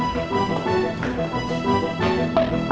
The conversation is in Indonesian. kau harap kau pujian